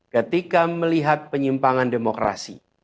ketika melihat penyimpangan demokrasi